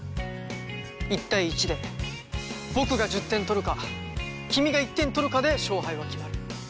１対１で僕が１０点取るか君が１点取るかで勝敗は決まる。